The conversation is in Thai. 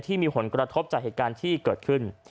ที่มีผลกระทบจากเหตุการณ์ที่เกิดขึ้น